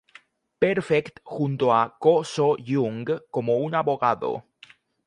Perfect junto a Ko So-young, como un abogado.